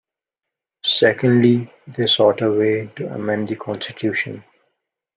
Secondly, they sought a way to amend the constitution.